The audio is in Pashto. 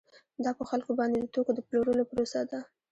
دا په خلکو باندې د توکو د پلورلو پروسه ده